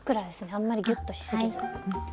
あんまりギュッとしすぎず。